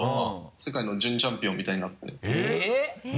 世界の準チャンピオンみたいになって。